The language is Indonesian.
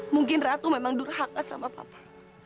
mungkin ratu memang durhaka sama papa